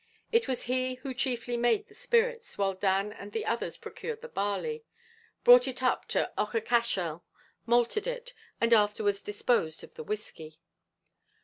It was he who chiefly made the spirits, while Dan and the others procured the barley brought it up to Aughacashel, malted it, and afterwards disposed of the whiskey.